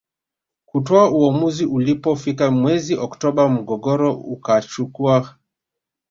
kutoa uamuzi Ulipofika mwezi Oktoba mgogoro ukachukua